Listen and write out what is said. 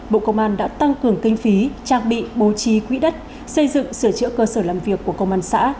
bộ công an đã tăng cường kinh phí trang bị bố trí quỹ đất xây dựng sửa chữa cơ sở làm việc của công an xã